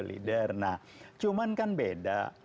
leader nah cuman kan beda